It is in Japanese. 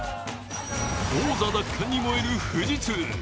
王座奪還に燃える富士通。